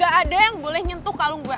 gak ada yang boleh nyentuh kalung gue